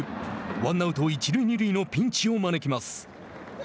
ワンアウト一塁二塁のピンチを招きます。